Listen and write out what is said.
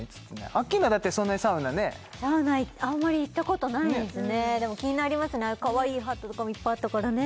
アッキーナだってそんなにサウナねあんまり行ったことないですねでも気になりますねああいうかわいいハットとかもいっぱいあったからね